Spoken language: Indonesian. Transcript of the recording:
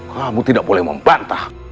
kamu tidak boleh membantah